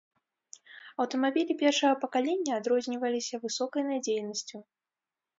Аўтамабілі першага пакалення адрозніваліся высокай надзейнасцю.